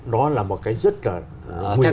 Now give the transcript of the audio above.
nó là một cái rất là nguy hiểm